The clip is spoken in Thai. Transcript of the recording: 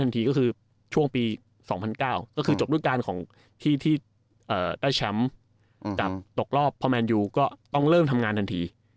ที่ที่ได้แชมป์กับตกรอบอากดิ์พอร์แมนยูย์ก็ต้องเริ่มทำงานทันที